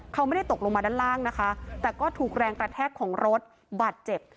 เขาไม่ได้ตกลงมาด้านล่างนะคะแต่ก็ถูกแรงกระแทกของรถบาดเจ็บ